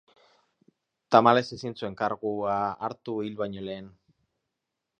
Tamalez, ezin zuen kargua hartu hil baino lehen.